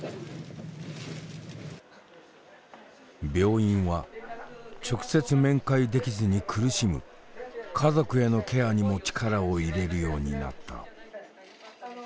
病院は直接面会できずに苦しむ家族へのケアにも力を入れるようになった。